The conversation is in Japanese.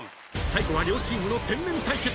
［最後は両チームの天然対決］